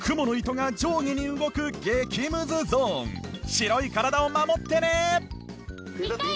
白い体を守ってね！